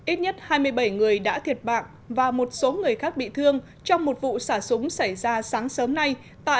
ít nhất hai mươi bảy người đã thiệt mạng và một số người khác bị thương trong một vụ xả súng xảy ra sáng sớm nay tại